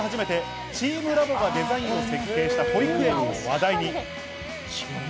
中には日本で初めてチームラボがデザイン・設営した保育園が話題に。